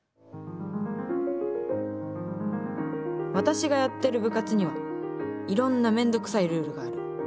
私がやってる部活にはいろんな面倒くさいルールがある。